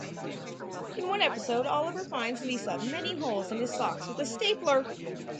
In one episode Oliver finds Lisa mending holes in his socks with a stapler.